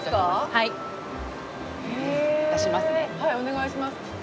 はいお願いします。